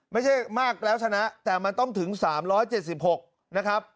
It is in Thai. ไม่ใช่มากแล้วชนะแต่มันต้องถึง๓๗๖นะครับ